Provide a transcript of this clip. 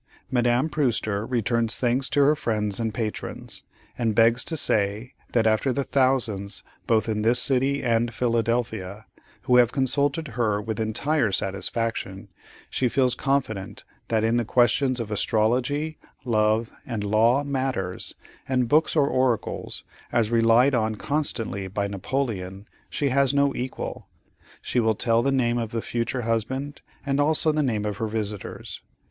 —Madame PREWSTER returns thanks to her friends and patrons, and begs to say that, after the thousands, both in this city and Philadelphia, who have consulted her with entire satisfaction, she feels confident that in the questions of astrology, love, and law matters, and books or oracles, as relied on constantly by Napoleon, she has no equal. She will tell the name of the future husband, and also the name of her visitors.